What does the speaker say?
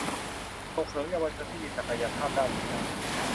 ส่งเสริมเยาวชนที่มีศักยภาพด้านกีฬา